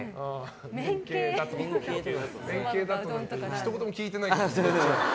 ひと言も聞いてない。